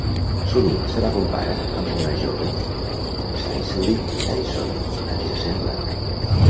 Sovint se la compara amb una jove Cicely Tyson, a qui s'assembla.